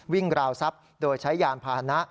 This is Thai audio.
ราวทรัพย์โดยใช้ยานพาหนะ